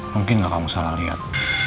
mungkin gak kamu salah liat